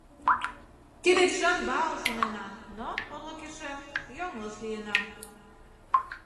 Тиде Чжан-Бао шоненам, но, орлыкешем, йоҥылыш лийынам.